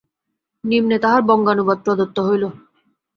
নিম্নে তাহার বঙ্গানুবাদ প্রদত্ত হইল।